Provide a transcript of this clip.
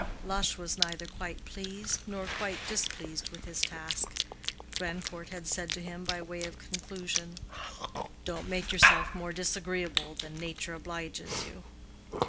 Lush was neither quite pleased nor quite displeased with his task. Grandcourt had said to him by way of conclusion, "Don't make yourself more disagreeable than nature obliges you."